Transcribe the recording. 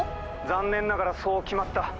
残念ながらそう決まった。